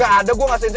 gak ada gue gak sensi